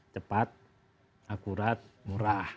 cepat akurat murah